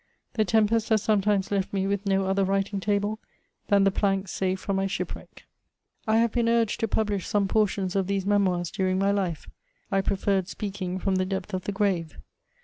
The tempest has sometimes left me with no other writing table than the plank saved from my shipwreck. CHATBAUBBIAND. 37 I have been urged to publish some portions of these Memoirs during my life; — I preferred speaking from the depth of the grave.